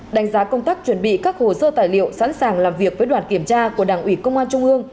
đánh giá công tác chuẩn bị các hồ sơ tài liệu sẵn sàng làm việc với đoàn kiểm tra của đảng ủy công an trung ương